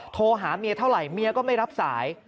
โทรหาเมียเท่าไหร่เมียก็ไม่รับสาย